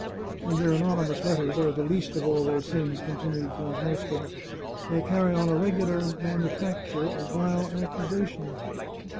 " And their anonymous letters are the least of all their sins," continued Count Mosca. " They carry on a regular manufacture of vile accusations.